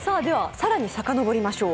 更にさかのぼりましょう。